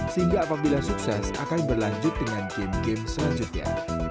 sehingga apabila sukses akan berlanjut dengan game game selanjutnya